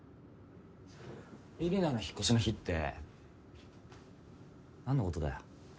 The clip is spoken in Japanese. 李里奈の引っ越しの日って何のことだよ？